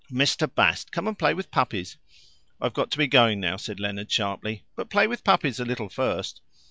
Mr. Bast, come and play with puppies." "I've got to be going now," said Leonard sourly. "But play with puppies a little first."